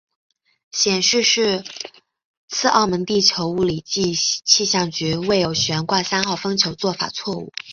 显示是次澳门地球物理暨气象局未有悬挂三号风球做法错误。